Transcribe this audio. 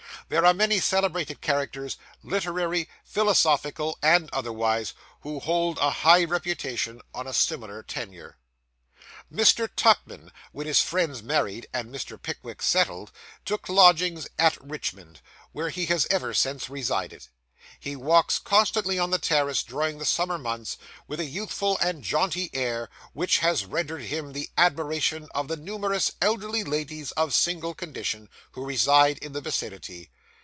There are many celebrated characters, literary, philosophical, and otherwise, who hold a high reputation on a similar tenure. Mr. Tupman, when his friends married, and Mr. Pickwick settled, took lodgings at Richmond, where he has ever since resided. He walks constantly on the terrace during the summer months, with a youthful and jaunty air, which has rendered him the admiration of the numerous elderly ladies of single condition, who reside in the vicinity.